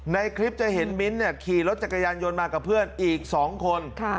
ในคลิปจะเห็นมิ้นท์ขี่รถจักรยานยนต์มากับเพื่อนอีก๒คน